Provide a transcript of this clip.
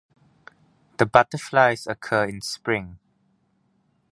The butterflies occur in spring.